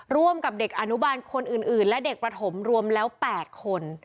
ร่วมกับเด็กอนุบาลคนอื่นและเด็กประถมรวมแล้ว๘คน